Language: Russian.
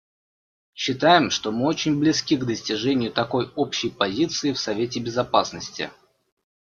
Считаем, что мы очень близки к достижению такой общей позиции в Совете Безопасности.